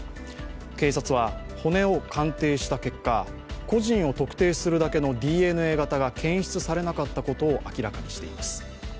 警察は、骨を鑑定した結果個人を特定するだけのＤＮＡ型が検出されなかったことを明らかにしています。